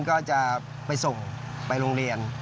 ก็จะไปส่งไปโรงเรียน